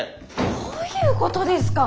どういうことですか？